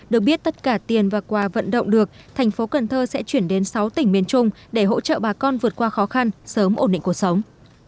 được biết tất cả tiền và quà vận động được thành phố cần thơ sẽ chuyển đến sáu tỉnh miền trung để hỗ trợ bà con vượt qua khó khăn sớm ổn định cuộc sống